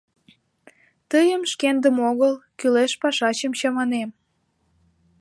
Тыйым шкендым огыл, кӱлеш пашачым чаманем.